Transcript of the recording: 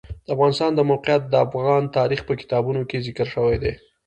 د افغانستان د موقعیت د افغان تاریخ په کتابونو کې ذکر شوی دي.